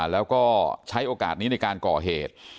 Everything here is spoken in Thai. แล้วก็ใช้โอกาสนี้ในการก่อเหตุ